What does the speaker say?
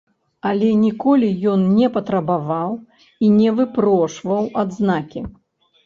Але ніколі ён не патрабаваў і не выпрошваў адзнакі!